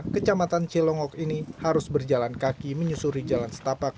kecamatan cilongok ini harus berjalan kaki menyusuri jalan setapak